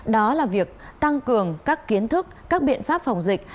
đó là việc tăng cường các kiến thức các biện pháp phòng dịch